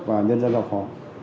và nhân dân giao khó